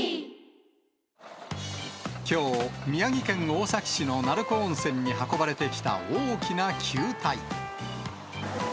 きょう、宮城県大崎市の鳴子温泉に運ばれてきた大きな球体。